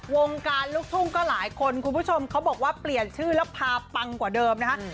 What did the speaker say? วงการลูกทุ่งก็หลายคนคุณผู้ชมเขาบอกว่าเปลี่ยนชื่อแล้วพาปังกว่าเดิมนะคะ